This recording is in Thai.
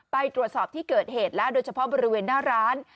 ไปตรวจสอบที่เกิดเหตุแล้วโดยเฉพาะบริเวณหน้าร้าน